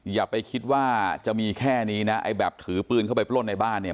อย่าไปคิดว่าจะมีแค่นี้นะไอ้แบบถือปืนเข้าไปปล้นในบ้านเนี่ย